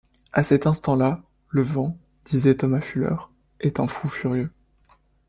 À cet instant-là, le vent, disait Thomas Fuller, est un fou furieux.